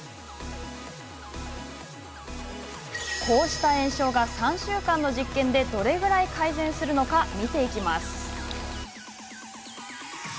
こうした炎症が、３週間の実験でどれぐらい改善するのか見ていきます。